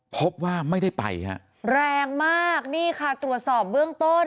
พบว่าไม่ได้ไปฮะแรงมากนี่ค่ะตรวจสอบเบื้องต้น